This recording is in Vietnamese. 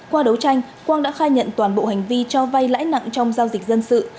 qua đấu tranh quang đã khai nhận toàn bộ hành vi cho vay lãi nặng trong giao dịch dân sự